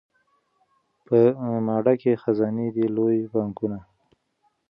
په ما ډکي خزانې دي لوی بانکونه